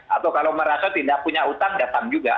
atau kalau merasa tidak punya utang datang juga